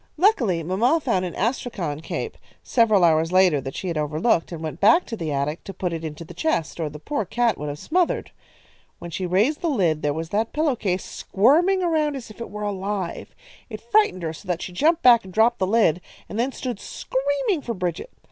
"Luckily, mamma found an astrakhan cape, several hours later, that she had overlooked, and went back to the attic to put it into the chest, or the poor cat would have smothered. When she raised the lid there was that pillow case squirming around as if it were alive. It frightened her so that she jumped back and dropped the lid, and then stood screaming for Bridget.